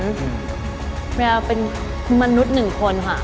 แมวเป็นมนุษย์หนึ่งคนค่ะ